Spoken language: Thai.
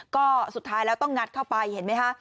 ก็สุดท้ายแล้วต้องงัดเข้าไปเห็นไหมคะ